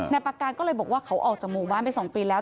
ปากการก็เลยบอกว่าเขาออกจากหมู่บ้านไป๒ปีแล้ว